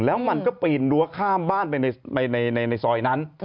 แล้วมันก็ปีนรั้วข้ามบ้านไปในซอยนั้น